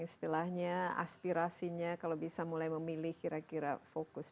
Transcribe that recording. istilahnya aspirasinya kalau bisa mulai memilih kira kira fokus